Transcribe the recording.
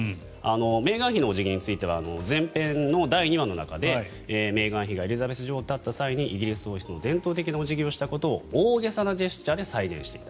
メーガン妃のお辞儀については前編の第２話の中でメーガン妃がエリザベス女王と会った際にイギリス王室の伝統的なお辞儀をしたことを大げさなジェスチャーで再現していた。